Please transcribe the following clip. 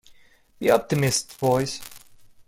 Be optimists, boys.